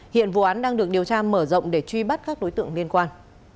hiện vụ án đang được điều tra mở rộng để truy bắt các đối tượng liên quan